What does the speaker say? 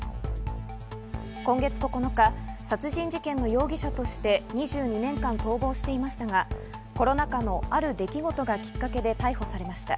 今月９日、殺人事件の容疑者として２２年間逃亡していましたが、コロナ禍のある出来事がきっかけで逮捕されました。